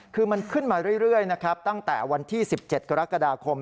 คือมันขึ้นมาเรื่อยนะครับตั้งแต่วันที่๑๗กรกฎาคม